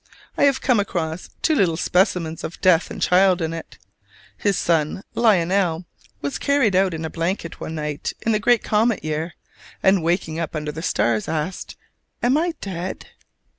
I have come across two little specimens of "Death and the child" in it. His son, Lionel, was carried out in a blanket one night in the great comet year, and waking up under the stars asked, "Am I dead?"